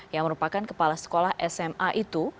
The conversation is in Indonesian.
yang merupakan kepala sekolah sma itu